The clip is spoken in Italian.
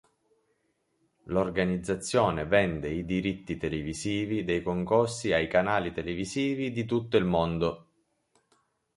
L'organizzazione vende i diritti televisivi dei concorsi ai canali televisivi di tutto il mondo.